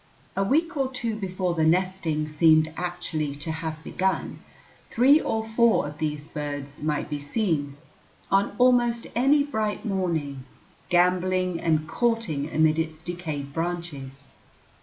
A week or two before the nesting seemed actually to have begun, three or four of these birds might be seen, on almost any bright morning, gamboling and courting amid its decayed branches.